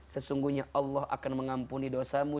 sesungguhnya allah akan mengampuni dosamu